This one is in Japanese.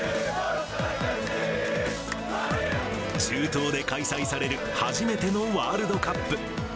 中東で開催される初めてのワールドカップ。